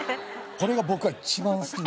これが僕が一番好きな。